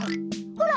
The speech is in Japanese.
ほら！